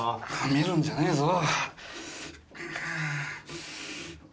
見るんじゃねえぞ。